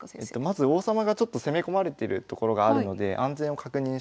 まず王様がちょっと攻め込まれてるところがあるので安全を確認しましょう。